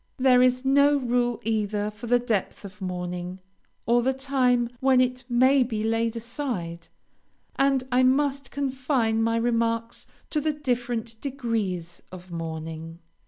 There is no rule either for the depth of mourning, or the time when it may be laid aside, and I must confine my remarks to the different degrees of mourning.